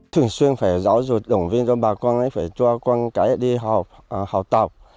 thường xuyên phải giáo dục động viên cho bà con ấy phải cho con cái đi học học tập